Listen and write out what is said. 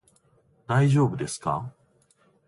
大丈夫ですか？